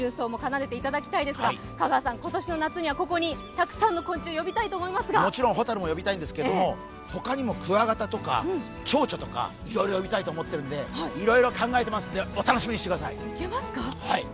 香川さん、今年の夏にはここにたくさんの昆虫を呼びたいと思いますが、もちろん、蛍も呼びたいんですが、ほかにもクワガタとかちょうちょうとかいろいろ呼びたいと考えているので、いろいろ考えてますのでお楽しみにしてください。